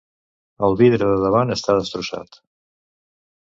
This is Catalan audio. El vidre de davant està destrossat.